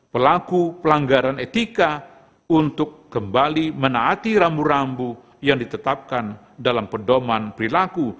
pelaku pelanggaran etika untuk kembali menaati rambu rambu yang ditetapkan dalam pedoman perilaku